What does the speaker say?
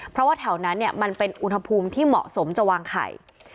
เพราะว่าแถวนั้นมันเป็นอุณหภูมิที่เหมาะสมจะวางไข่